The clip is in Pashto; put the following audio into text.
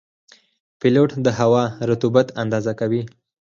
پیلوټ د هوا د رطوبت اندازه کوي.